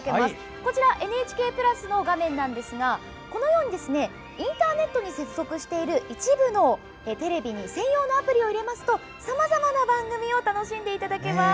こちらは「ＮＨＫプラス」の画面ですがインターネットに接続している一部のテレビに専用のアプリを入れますとさまざまな番組を楽しんでいただけます。